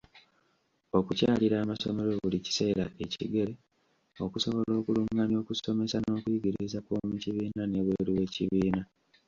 Okukyalira amasomero buli kiseera ekigere, okusobola okulungamya okusomesa n'okuyigiriza kw'omukibiina n'ebweru w'ekibiina.